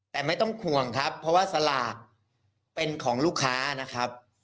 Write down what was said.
แต่ไม่ต้องห่วงครับเพราะว่าสลากเป็นของลูกค้านะครับ